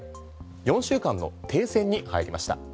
４週間の停戦に入りました。